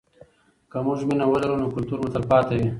که موږ مینه ولرو نو کلتور مو تلپاتې وي.